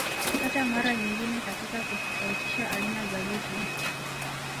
Hata mara nyingine katika kutofautisha aina za vitu